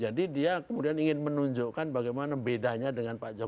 jadi dia kemudian ingin menunjukkan bagaimana bedanya dengan pak jokowi